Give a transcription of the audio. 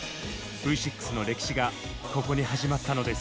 Ｖ６の歴史がここに始まったのです。